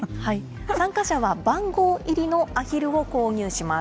参加者は番号入りのアヒルを購入します。